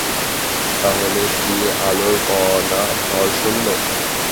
তাহলে কি আলোর কণা ভর শূন্য।